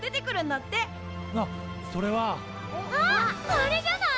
あれじゃない！？